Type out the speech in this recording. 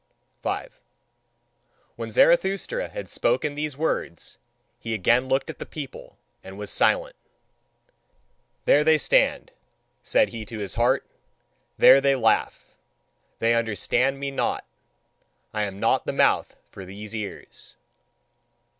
5. When Zarathustra had spoken these words, he again looked at the people, and was silent. "There they stand," said he to his heart; "there they laugh: they understand me not; I am not the mouth for these ears.